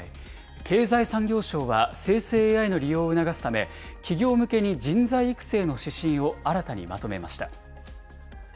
経済産業省は生成ＡＩの利用を促すため、企業向けに人材育成の指針を新たにまとめました。